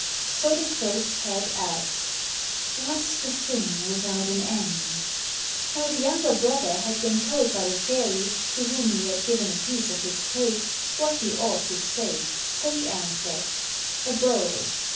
So the first head asked: "What's the thing without an end.?" 322 ENGLISH FAIRY TALES Now the younger brother had been told by the fairy to whom he had given a piece of his cake, what he ought to say ; so he answered : "A bowl."